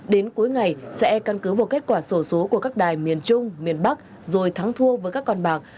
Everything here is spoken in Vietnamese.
đến cuối ngày sẽ căn cứ vào kết quả sổ số của các đài miền trung miền bắc rồi thắng thua với các con bạc